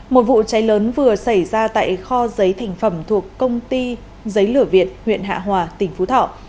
một vụ cháy lớn vừa xảy ra tại kho giấy thành phẩm thuộc công ty giấy lửa việt huyện hạ hòa tỉnh phú thọ